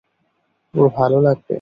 ওর ভালো লাগবে।